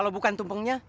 kalau bukan tumpengnya